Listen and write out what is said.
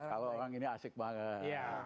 kalau orang ini asik banget